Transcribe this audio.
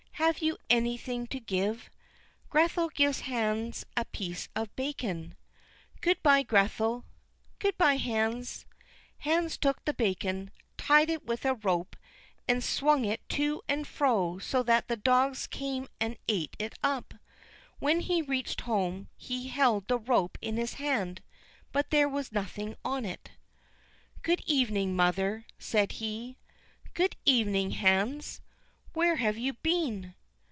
Have you anything to give?" Grethel gave Hans a piece of bacon. "Good by, Grethel." "Good by, Hans." Hans took the bacon, tied it with a rope, and swung it to and fro so that the dogs came and ate it up. When he reached home he held the rope in his hand, but there was nothing on it. "Good evening, mother," said he. "Good evening, Hans. Where have you been?"